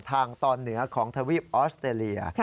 ทางตอนเหนือของทวีปออสเตรเลีย